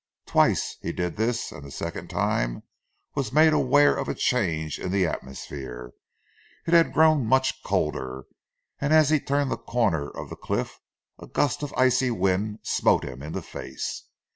Twice he did this and the second time was made aware of a change in the atmosphere. It had grown much colder and as he turned the corner of the cliff a gust of icy wind smote him in the face.